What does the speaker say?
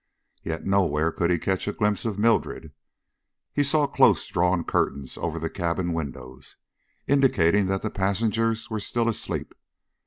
Yet nowhere could he catch a glimpse of Mildred. He saw close drawn curtains over the cabin windows, indicating that the passengers were still asleep.